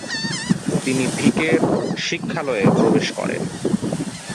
তিনি ভিকের শিক্ষালয়ে প্রবেশ করেন।